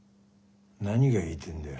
何が言いてえんだよ。